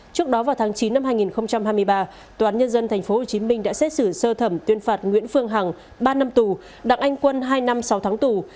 trước đó vào tháng chín năm hai nghìn hai mươi ba tòa án nhân dân tp hcm đã xét xử sơ thẩm tuyên phạt nguyễn phương hằng ba năm tù đặng anh quân hai năm sáu tháng tù